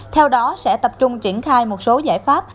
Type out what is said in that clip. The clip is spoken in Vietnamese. theo đó sẽ tập trung triển khai một số giải pháp